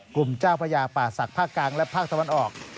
กลุ่มเจ้าพญาป่าศักดิภาคกลางและภาคตะวันออก